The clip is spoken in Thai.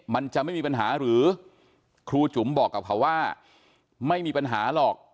มันจะไม่มีปัญหาหรือครูจุ๋มบอกกับเขาว่าไม่มีปัญหาหรอก